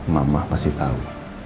mama masih tahu